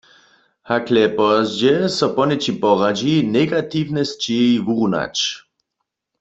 Hakle pozdźe so poněčim poradźi, negatiwne sćěhi wurunać.